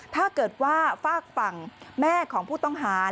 ถ้าเกิดว่าฝากฝั่งแม่ของผู้ต้องหา